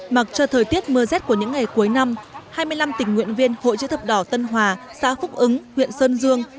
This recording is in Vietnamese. mặc cho thời tiết mưa rét của những ngày cuối năm hai mươi năm tình nguyện viên hội chữ thập đỏ tân hòa xã phúc ứng huyện sơn dương